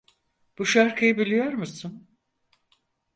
Bu şarkıyı biliyor musun?